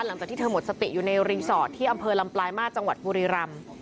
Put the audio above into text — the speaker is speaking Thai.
หลังจากที่เธอหมดสติอยู่ในรีสอร์ทที่อำเภอลำปลายมาสจังหวัดบุรีรำ